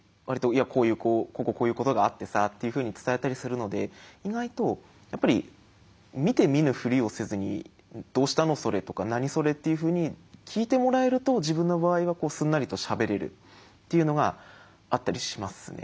「いやこういうこうこうこういうことがあってさ」っていうふうに伝えたりするので意外とやっぱり見て見ぬふりをせずに「どうしたの？それ」とか「何？それ」っていうふうに聞いてもらえると自分の場合はすんなりとしゃべれるっていうのがあったりしますね。